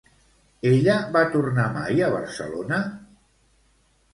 Ella va tornar mai a Barcelona?